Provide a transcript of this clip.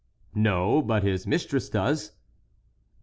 "No, but his mistress does."